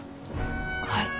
はい。